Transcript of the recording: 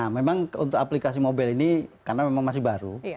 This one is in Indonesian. memang untuk aplikasi mobile ini karena memang masih baru